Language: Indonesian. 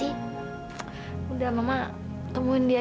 udah mama temuin dia aja deh cukup berhenti aja ya